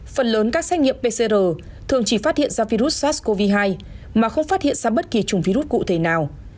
phần lớn các xét nghiệm pcr thường chỉ phát hiện ra virus sars cov hai mà không phát hiện ra bất kỳ chủng virus cụ thể nào